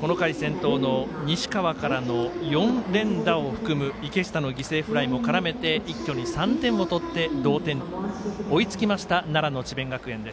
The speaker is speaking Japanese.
この回、先頭の西川からの４連打を含む池下の犠牲フライも絡めて一挙に３点を取って、同点と追いつきました奈良の智弁学園です。